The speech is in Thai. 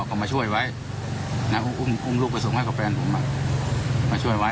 ก็มาช่วยไว้แล้วก็อุ้มลูกไปส่งให้กับแฟนผมมาช่วยไว้